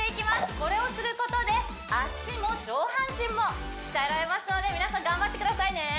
これをすることで足も上半身も鍛えられますので皆さん頑張ってくださいね